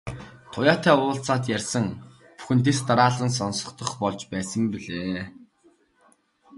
Туяатай уулзаад ярьсан бүхэн дэс дараалан сонстох шиг болж байсан билээ.